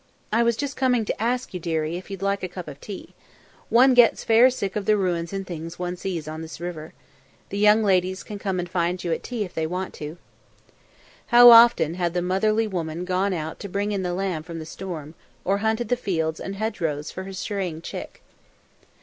"I was just coming to ask you, dearie, if you'd like a cup of tea. One gets fair sick of the ruins and things one sees on this river. The young ladies can come and find you at tea if they want to." How often had the motherly woman gone out to bring in the lamb from the storm, or hunted the fields and hedgerows for her straying chick!